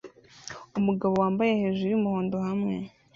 Umugabo wambaye hejuru yumuhondo hamwe